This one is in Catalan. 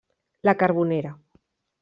La Carbonera.